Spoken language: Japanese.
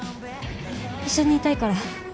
一緒にいたいから。